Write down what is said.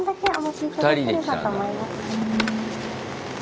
２人で来たんだ。